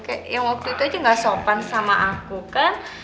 kayak yang waktu itu aja gak sopan sama aku kan